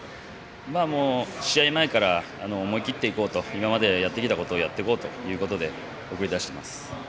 試合前から思い切っていこうと今までやってきたことをやっていこうと送り出しています。